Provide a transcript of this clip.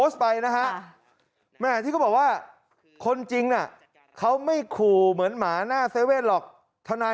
เดี๋ยวขอนึกก่อน